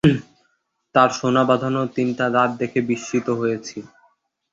তাঁর সোনাবাঁধানো তিনটা দাঁত দেখে বিস্মিত হয়েছি।